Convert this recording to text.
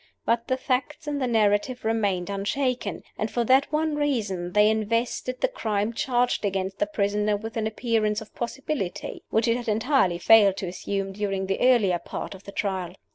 But the facts in her narrative remained unshaken, and, for that one reason, they invested the crime charged against the prisoner with an appearance of possibility, which it had entirely failed to assume during the earlier part of the Trial.